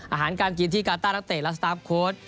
อาหารการกินที่กาต้านักเตะและสตาร์ฟโค้ด